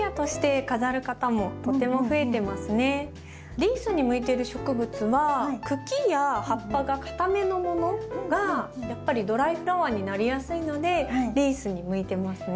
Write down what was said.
リースに向いている植物は茎や葉っぱがかためのものがやっぱりドライフラワーになりやすいのでリースに向いてますね。